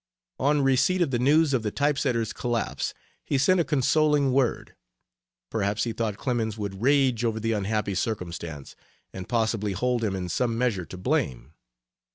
On receipt of the news of the type setter's collapse he sent a consoling word. Perhaps he thought Clemens would rage over the unhappy circumstance, and possibly hold him in some measure to blame.